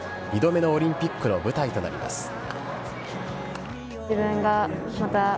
２度目のオリンピックの舞台となります。